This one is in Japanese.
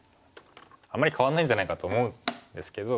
あんまり変わんないじゃないかと思うんですけど。